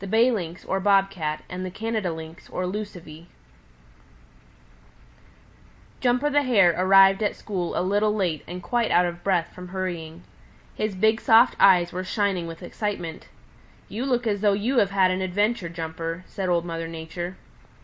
CHAPTER XXIX Yowler and His Cousin Tufty Jumper the Hare arrived at school a little late and quite out of breath from hurrying. His big soft eyes were shining with excitement. "You look as though you had had an adventure, Jumper," said Old Mother Nature.